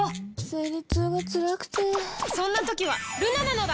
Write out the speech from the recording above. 生理痛がつらくてそんな時はルナなのだ！